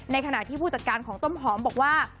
ขณะที่ผู้จัดการของต้มหอมบอกว่า